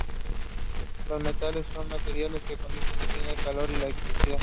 Los metales son materiales que conducen bien el calor y la electricidad.